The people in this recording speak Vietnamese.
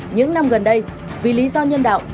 những năm gần đây vì lý do nhân đạo